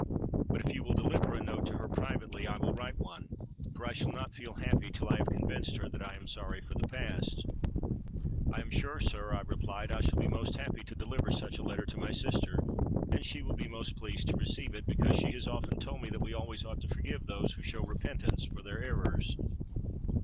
But if you will deliver a note to her privately, I will write one; for I shall not feel happy till I have convinced her that I am sorry for the past.'—'I am sure, sir,' I replied, 'I shall be most happy to deliver such a letter to my sister, and she will be most pleased to receive it; because she has often told me that we always ought to forgive those who show repentance for their errors.'